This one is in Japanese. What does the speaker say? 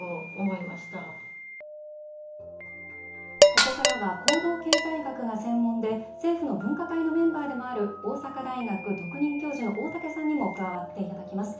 ここからは行動経済学が専門で政府の分科会のメンバーでもある大阪大学特任教授の大竹さんにも加わっていただきます。